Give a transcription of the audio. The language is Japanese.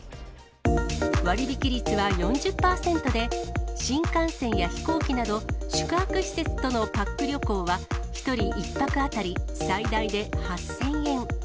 割引率は４０％で、新幹線や飛行機など、宿泊施設とのパック旅行は、１人１泊当たり最大で８０００円。